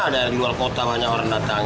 ada yang di luar kota banyak orang datang